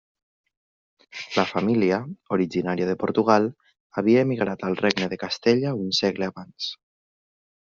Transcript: La família, originària de Portugal, havia emigrat al Regne de Castella un segle abans.